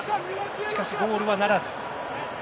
しかしゴールはならず。